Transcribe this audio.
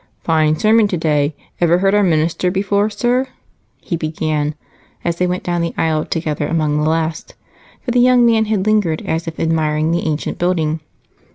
"Fine sermon today. Ever heard our minister before, sir?" he began, as they went down the aisle together among the last, for the young man had lingered as if admiring the ancient building.